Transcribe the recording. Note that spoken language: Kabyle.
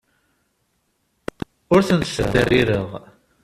Ur ten-ttderrireɣ.